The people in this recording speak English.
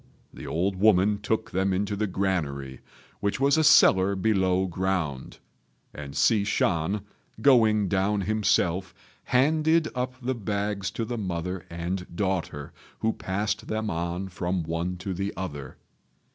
The old woman took them into the granary, which was a cellar below ground, and Hsi Shan, going down himself, handed up the bags to the mother and daughter, who passed them on from one to the other.